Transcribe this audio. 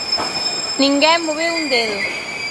Ninguén moveu un dedo.